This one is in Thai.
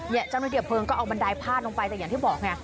เจ้าหน้าที่เพลิงก็เอาบันไดพาดลงไปแต่อย่างที่บอกไง